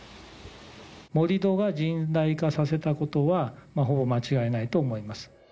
盛り土が甚大化させたことはほぼ間違いないと思います。